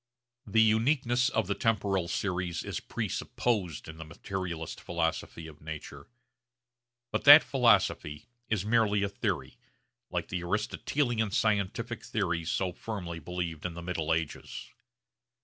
The uniqueness of the temporal series is presupposed in the materialist philosophy of nature. But that philosophy is merely a theory, like the Aristotelian scientific theories so firmly believed in the middle ages.